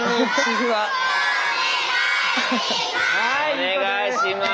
お願いします。